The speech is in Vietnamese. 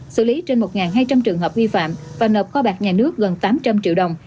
xử lý trên một hai trăm linh trường hợp vi phạm và nộp kho bạc nhà nước gần tám trăm linh triệu đồng